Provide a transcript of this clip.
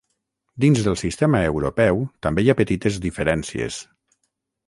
Dins del sistema europeu també hi ha petites diferències.